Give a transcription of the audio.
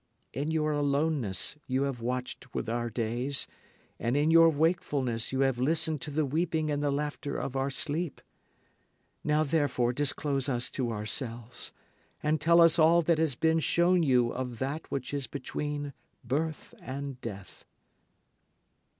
In your aloneness you have watched with our days, and in your wakefulness you have listened to the weeping and the laughter of our sleep. Now therefore disclose us to ourselves, and tell us all that has been shown you of that which is between birth and death.